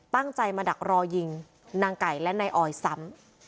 ตั้งใจมาดักรอยิงนางไก่และนายออยซ้ำ